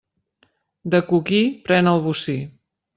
De coquí pren el bocí.